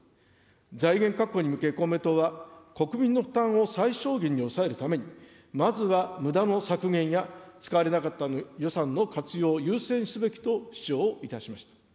財源確保に向け公明党は、国民の負担を最小限に抑えるために、まずはむだの削減や、使われなかった予算の活用を優先すべきと主張いたしました。